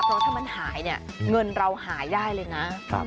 เพราะถ้ามันหายเนี่ยเงินเราหาได้เลยนะ